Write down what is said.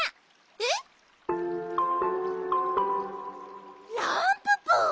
えっ？ランププ！